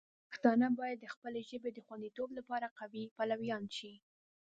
پښتانه باید د خپلې ژبې د خوندیتوب لپاره د قوی پلویان شي.